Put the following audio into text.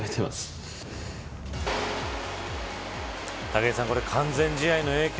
武井さん、完全試合の影響